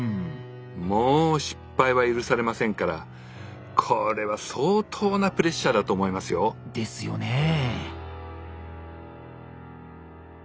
もう失敗は許されませんからこれは相当なプレッシャーだと思いますよ。ですよねぇ。